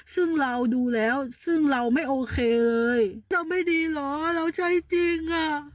ซึ่งเราดูแล้วซึ่งเราไม่โอเคจะไม่ดีเหรอเราใช้จริงอ่ะ